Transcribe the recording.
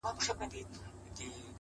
• له غړومبي چي وېرېدلی وو پښېمان سو ,